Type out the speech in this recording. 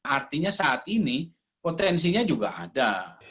artinya saat ini potensinya juga ada